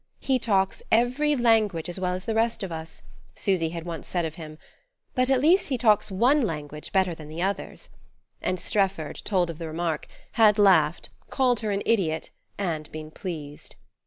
"He talks every language as well as the rest of us," Susy had once said of him, "but at least he talks one language better than the others"; and Strefford, told of the remark, had laughed, called her an idiot, and been pleased.